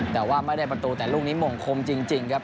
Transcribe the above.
แต่ว่าไม่ได้ประตูแต่ลูกนี้หม่งคมจริงครับ